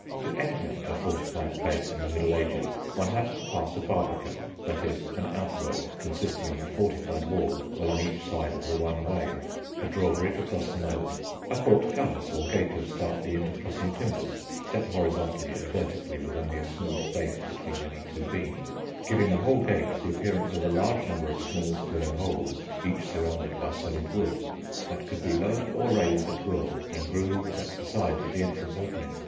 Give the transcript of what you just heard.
To enter a fortified place in the Middle Ages one had to pass a barbican (i.e. an outwork consisting of a fortified wall along each side of the one way); a drawbridge across the moat; a portcullis or gate of stoutly inter crossing timbers (set horizontally and vertically with only a small space between any two beams, giving the whole gate the appearance of a large number of small square holes, each surrounded by solid wood) that could be lowered or raised at will in grooves at the sides of the entrance opening.